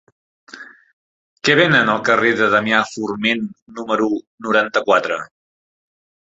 Què venen al carrer de Damià Forment número noranta-quatre?